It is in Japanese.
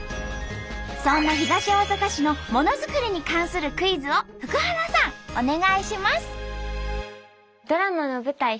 そんな東大阪市のモノづくりに関するクイズを福原さんお願いします！